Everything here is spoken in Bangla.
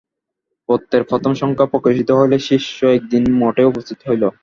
পত্রের প্রথম সংখ্যা প্রকাশিত হইলে শিষ্য একদিন মঠে উপস্থিত হইল।